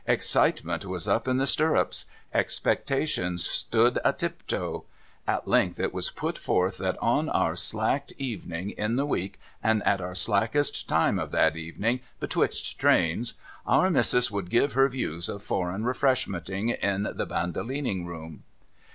Excitement was up in the stirrups. Expectation stood a tiptoe. At length it was put forth that on our slacked evening in tlie week, and at our slackest time of that evening betwixt trains. Our Missis would give her views of foreign Refreshmenting, in the Bandolining Room.